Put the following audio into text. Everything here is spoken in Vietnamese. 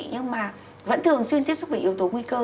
nhưng mà vẫn thường xuyên tiếp xúc với yếu tố nguy cơ